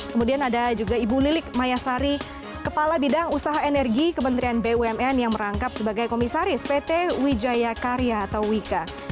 kemudian ada juga ibu lilik mayasari kepala bidang usaha energi kementerian bumn yang merangkap sebagai komisaris pt wijaya karya atau wika